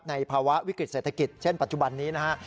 ภาวะวิกฤตเศรษฐกิจเช่นปัจจุบันนี้นะฮะ